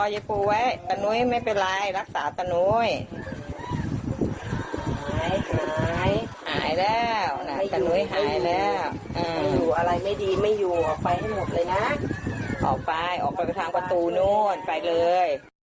ให้ขอไปไปทางกระทู้โบนไปเลย